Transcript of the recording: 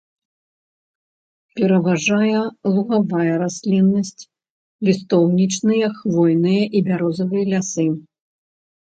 Пераважае лугавая расліннасць, лістоўнічныя, хвойныя і бярозавыя лясы.